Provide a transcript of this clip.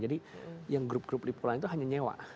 jadi yang grup grup lipo lah itu hanya nyewa